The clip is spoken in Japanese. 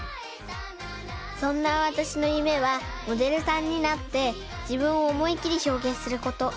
そんなわたしのゆめはモデルさんになってじぶんをおもいっきりひょうげんすること。